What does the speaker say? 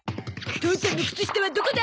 父ちゃんのくつ下はどこだ？